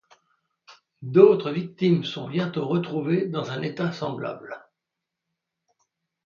D'autres victimes sont bientôt retrouvées dans un état semblable.